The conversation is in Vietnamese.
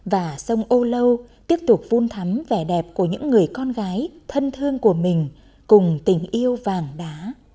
và sông âu lâu tiếp tục vun thắm vẻ đẹp của những người con gái thân thương của mình cùng tình yêu vàng đá